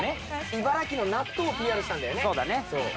茨城の納豆をＰＲしたんだよね。